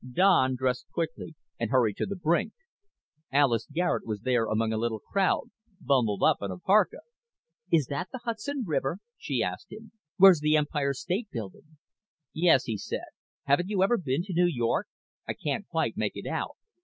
Don dressed quickly and hurried to the brink. Alis Garet was there among a little crowd, bundled up in a parka. "Is that the Hudson River?" she asked him. "Where's the Empire State Building?" "Yes," he said. "Haven't you ever been to New York? I can't quite make it out.